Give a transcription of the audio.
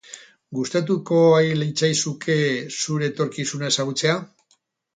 Gustatuko al litzaizuke zure etorkizuna ezagutzea?